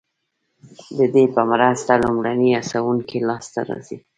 ددې په مرسته لومړني هڅوونکي لاسته راځي.